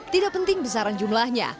tidak penting besaran jumlahnya